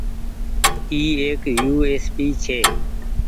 اي ايڪ يو ايس پي ڇي۔